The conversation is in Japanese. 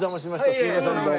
すいませんどうも。